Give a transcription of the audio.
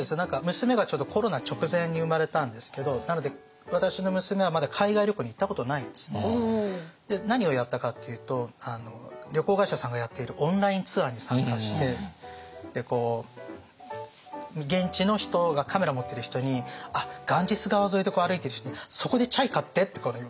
娘がちょうどコロナ直前に生まれたんですけどなので私の娘はまだ海外旅行に行ったことないんですね。何をやったかっていうと旅行会社さんがやっているオンラインツアーに参加して現地の人カメラを持ってる人にガンジス川沿いで歩いている人に「そこでチャイ買って」って。